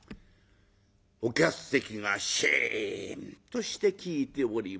お客席がシーンとして聞いております。